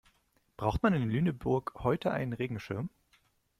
Braucht man in Lüneburg heute einen Regenschirm?